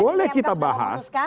boleh kita bahas